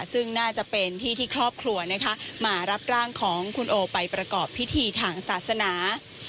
ซึ่งน่าจะเป็นที่ที่ครอบครัวนะคะมารับร่างของคุณโอไปประกอบพิธีทางศาสนา